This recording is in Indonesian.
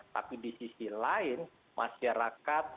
tapi di sisi lain masyarakat